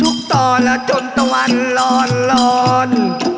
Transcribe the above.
ลุกตอนและจนตะวันรอนรอน